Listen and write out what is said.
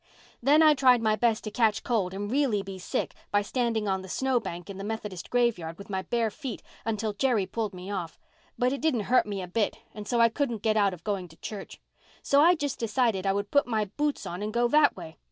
"Then I tried my best to catch cold and really be sick by standing on the snowbank in the Methodist graveyard with my bare feet until Jerry pulled me off. But it didn't hurt me a bit and so I couldn't get out of going to church. So I just decided I would put my boots on and go that way.